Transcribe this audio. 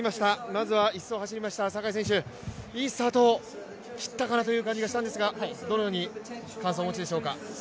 まずは１走走りました坂井選手、いいスタート切ったかなという感じがしたんですがどのように感想をお持ちでしょうか。